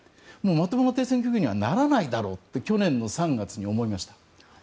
まともな停戦協議にはならないだろうと去年の３月に思いました。